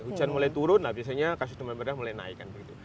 hujan mulai turun lah biasanya kasus demam berdarah mulai naik kan begitu